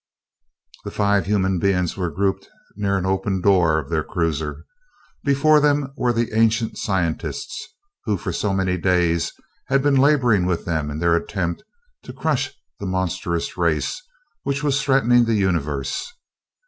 The five human beings were grouped near an open door of their cruiser; before them were the ancient scientists, who for so many days had been laboring with them in their attempt to crush the monstrous race which was threatening the Universe.